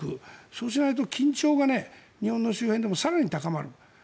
そうしないと緊張が日本の周辺でも更に高まる。